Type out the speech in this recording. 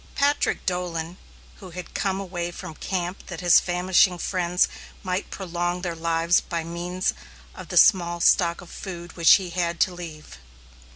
Patrick Dolan, who had come away from camp that his famishing friends might prolong their lives by means of the small stock of food which he had to leave!